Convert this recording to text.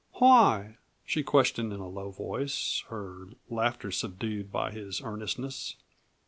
"Why?" she questioned in a low voice, her laughter subdued by his earnestness.